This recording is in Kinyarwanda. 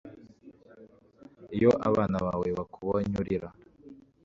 iyo abana bawe bakubonye urira